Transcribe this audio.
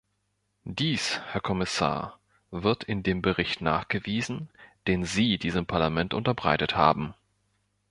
Dies, Herr Kommissar, wird in dem Bericht nachgewiesen, den Sie diesem Parlament unterbreitet haben.